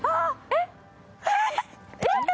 えっ！！